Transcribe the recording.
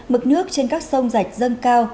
mực nước trên các sông rạch dâng cao